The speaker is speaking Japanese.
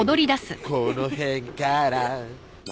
「この辺から」